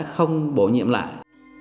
không bổ nhiệm lại